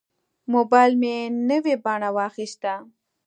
موبایل مې نوې بڼه واخیسته.